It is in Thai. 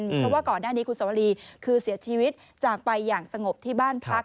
เพราะว่าก่อนหน้านี้คุณสวรีคือเสียชีวิตจากไปอย่างสงบที่บ้านพัก